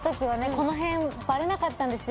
このへんバレなかったんですよ